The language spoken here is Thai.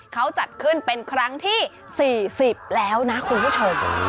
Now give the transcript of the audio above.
เขาจัดขึ้นเป็นครั้งที่๔๐แล้วนะคุณผู้ชม